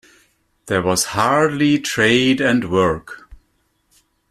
There was hardly trade and work.